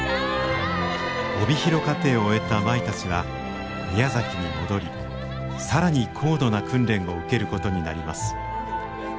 帯広課程を終えた舞たちは宮崎に戻り更に高度な訓練を受けることになります。